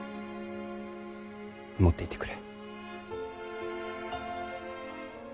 持っていてくれ。